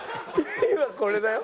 今これだよ。